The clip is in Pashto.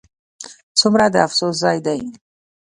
ځومره د افسوس ځاي دي